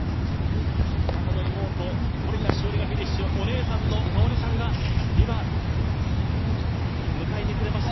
双子の妹、森田詩織がフィニッシュ、お姉さんの香織選手が迎えてくれました。